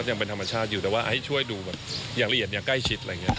ยังเป็นธรรมชาติอยู่แต่ว่าให้ช่วยดูแบบอย่างละเอียดอย่างใกล้ชิดอะไรอย่างนี้